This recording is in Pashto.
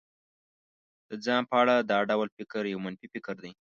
د ځان په اړه دا ډول فکر يو منفي فکر دی.